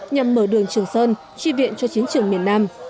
nhằm mở đường trường sơn chi viện cho chiến trường miền nam